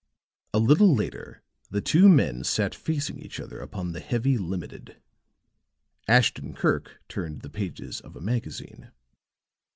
A little later the two men sat facing each other upon the heavy "Limited"; Ashton Kirk turned the pages of a magazine.